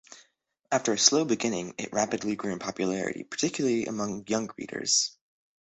After a slow beginning, it rapidly grew in popularity, particularly among young readers.